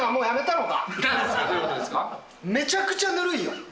お前、めちゃくちゃぬるいよ。